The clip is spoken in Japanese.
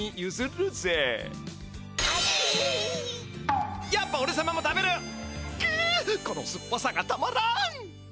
くっこのすっぱさがたまらん！